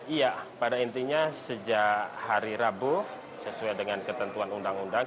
iya pada intinya sejak hari rabu sesuai dengan ketentuan undang undang